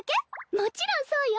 もちろんそうよ。